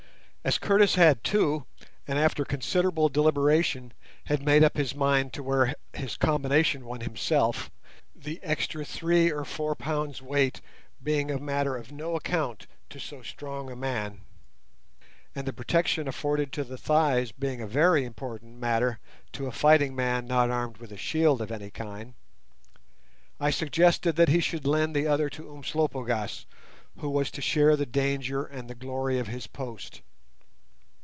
As Curtis had two, and after considerable deliberation, had made up his mind to wear his combination one himself—the extra three or four pounds' weight being a matter of no account to so strong a man, and the protection afforded to the thighs being a very important matter to a fighting man not armed with a shield of any kind—I suggested that he should lend the other to Umslopogaas, who was to share the danger and the glory of his post.